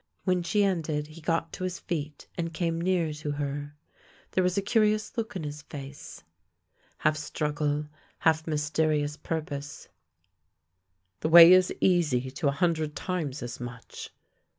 When she ended, he got to his feet, and came near to her. There was a curious look in his face — half struggle, 68 THE LANE THAT HAD NO TURNING half mysterious purpose. " The way is easy to a hun dred times as much!